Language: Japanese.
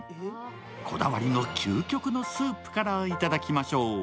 こだわりの究極のスープからいただきましょう。